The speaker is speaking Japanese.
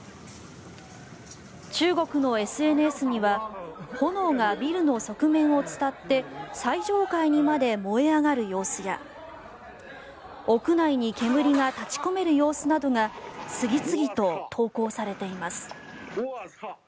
中国のＳＮＳには炎がビルの側面を伝って最上階にまで燃え上がる様子や屋内に煙が立ち込める様子などが次々と投稿されています。